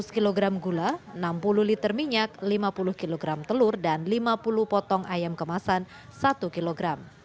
lima ratus kg gula enam puluh liter minyak lima puluh kg telur dan lima puluh potong ayam kemasan satu kg